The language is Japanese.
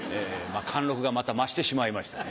貫禄がまた増してしまいましたね。